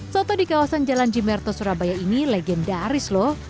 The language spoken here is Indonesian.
soto di kawasan jalan jimerto surabaya ini legendaris loh